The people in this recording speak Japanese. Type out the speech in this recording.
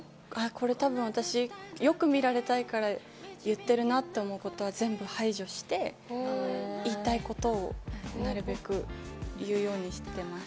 多分私、よく見られたいから、言ってるなって思うことは全部排除して、言いたいことをなるべく言うようにしています。